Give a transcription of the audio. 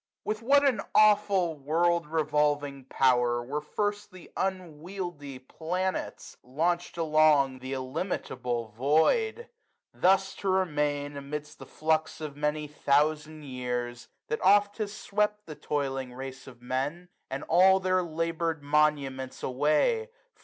51 With what an aweful world revolving power Were first the unwieldy planets launched along Th* illimitable void ! Thus to remain. Amid the flux of many thousand years, 35 That oft has swept the toiling race of Men, And all their laboured monuments away.